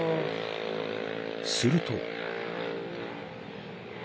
［すると］